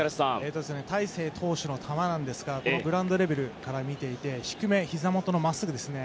大勢投手の球なんですがグラウンドレベルから見ていて低め、ひざ元のまっすぐですね。